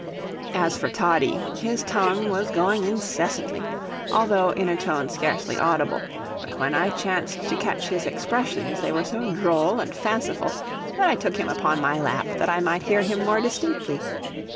As for Toddie, his tongue was going incessantly, although in a tone scarcely audible; but when I chanced to catch his expressions, they were so droll and fanciful, that I took him upon my lap that I might hear him more distinctly.